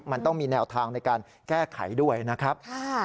มันต้องมีแนวทางในการแก้ไขด้วยนะครับ